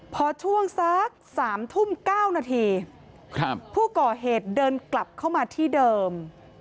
พอช่วงสัก๓ทุ่ม๙นาทีผู้ก่อเหตุเดินกลับเข้ามาที่เดิม